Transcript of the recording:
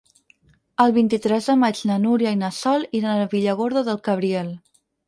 El vint-i-tres de maig na Núria i na Sol iran a Villargordo del Cabriel.